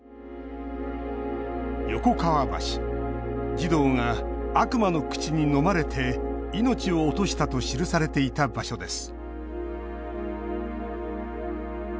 児童が悪魔の口にのまれて命を落としたと記されていた場所です。